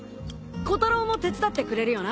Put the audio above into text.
コタロウも手伝ってくれるよな？